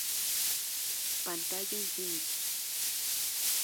Pantalla Infinity.